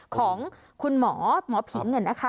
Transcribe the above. ของคุณหมอหมอผิงเหนือนนะคะ